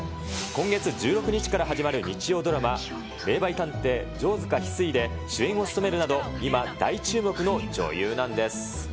今月１６日から始まる日曜ドラマ、霊媒探偵・城塚翡翠で主演を務めるなど、今、大注目の女優なんです。